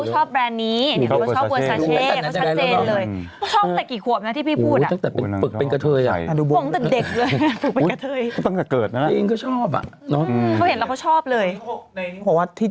เขาก็บอกว่าเขาชอบแบรนด์นี้